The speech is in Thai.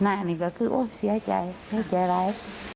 น่าอันนี้ก็คือโอ๊ยเสียใจไม่เจออะไร